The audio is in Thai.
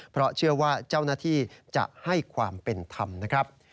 เพราะเชื่อว่าเจ้าหน้าที่จะให้ความเป็นธรรมนะครับ